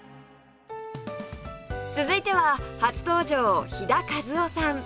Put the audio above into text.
続いては初登場飛田和緒さん